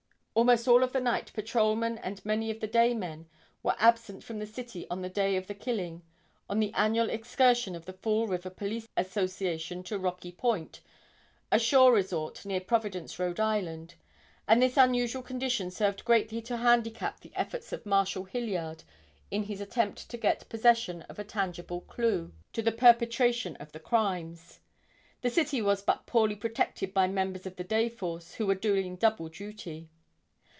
Almost all of the night patrolmen and many of the day men were absent from the city on the day of the killing, on the annual excursion of the Fall River Police Association to Rocky Point, a shore resort near Providence, R. I., and this unusual condition served greatly to handicap the efforts of Marshal Hilliard in his attempt to get possession of a tangible clue to the perpetration of the crimes. The city was but poorly protected by members of the day force, who were doing double duty.